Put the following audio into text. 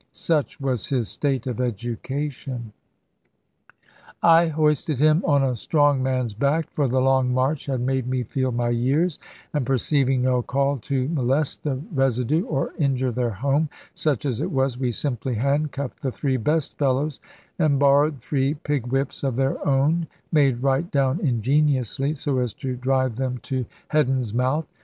Such was his state of education! I hoisted him on a strong man's back, for the long march had made me feel my years, and perceiving no call to molest the residue, or injure their home such as it was we simply handcuffed the three best fellows, and borrowed three pig whips of their own (made right down ingeniously) so as to drive them to Heddon's Mouth.